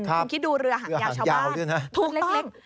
คุณคิดดูเรือหางยาวชาวบ้านทูบเล็ก